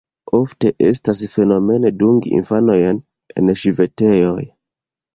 Ofte estas fenomeno dungi infanojn en ŝvitejoj.